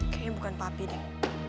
kayaknya bukan papi deh